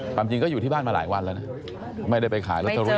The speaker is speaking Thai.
ความจริงก็อยู่ที่บ้านมาหลายวันแล้วนะไม่ได้ไปขายลอตเตอรี่